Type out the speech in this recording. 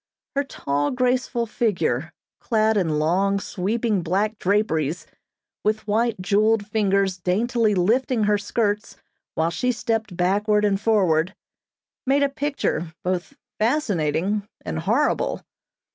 Her tall, graceful figure, clad in long, sweeping black draperies, with white jeweled fingers daintily lifting her skirts while she stepped backward and forward, made a picture both fascinating and horrible.